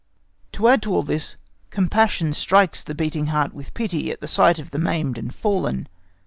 To add to all this, compassion strikes the beating heart with pity at the sight of the maimed and fallen.